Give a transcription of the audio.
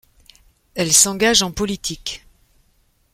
Elle s'engage en politique.